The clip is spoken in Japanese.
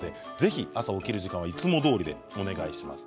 ぜひ朝起きる時間はいつもどおりでお願いします。